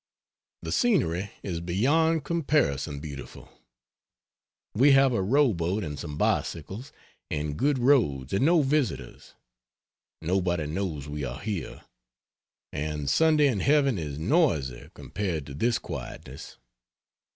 The scenery is beyond comparison beautiful. We have a row boat and some bicycles, and good roads, and no visitors. Nobody knows we are here. And Sunday in heaven is noisy compared to this quietness.